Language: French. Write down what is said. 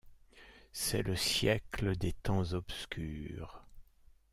C'est le siècle des temps obscurs.